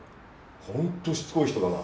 ホントしつこい人だな。